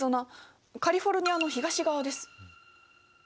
カリフォルニアの東側です。